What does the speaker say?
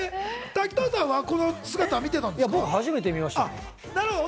滝藤さんはこの姿、見てたん僕、初めて見ました。